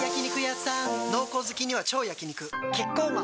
濃厚好きには超焼肉キッコーマン